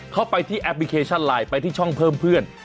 เข้าไปที่แอปพลิเคชันไลน์ไปที่ช่องเพิ่มเพื่อน